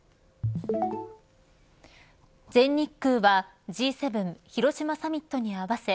全日空はＧ７広島サミットに合わせ